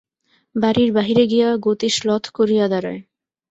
বাড়ির বাহিরে গিয়া গতি শ্লথ করিয়া দাড়ায়।